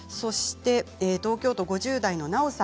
東京都５０代の方です。